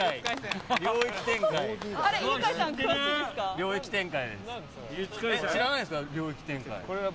領域展開。